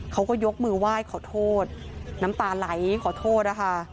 เขาก็ยกมือไหว้ขอโทษน้ำตาไหลขอโทษนะคะ